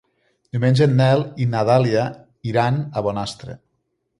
Diumenge en Nel i na Dàlia iran a Bonastre.